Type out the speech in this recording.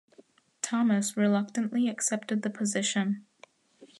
Thomas reluctantly accepted the position.